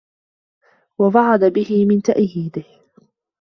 وَوَعَدَ بِهِ مِنْ تَأْيِيدِهِ